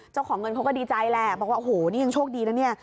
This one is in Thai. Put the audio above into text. เจ้าของเงินเขาก็ดีใจแหละบอกว่าโอ้โหนี่ยังโชคดีนะเนี่ย